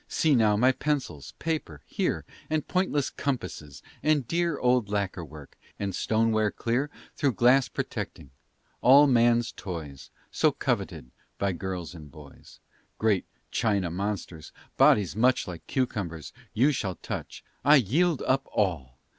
See now my pencils paper here, And pointless compasses, and dear Old lacquer work; and stoneware clear Through glass protecting; all man's toys So coveted by girls and boys. Great China monsters bodies much Like cucumbers you all shall touch. I yield up all!